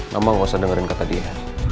mama gak usah dengerin kata dia